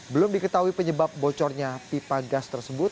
belum diketahui penyebab bocornya pipa gas tersebut